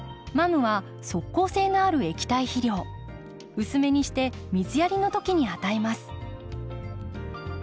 うすめにして水やりの時に与えます。